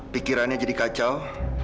pikirannya jadi kacau